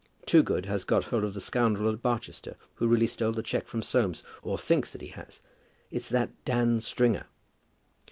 Toogood has got hold of the scoundrel at Barchester who really stole the cheque from Soames; or thinks that he has. It's that Dan Stringer."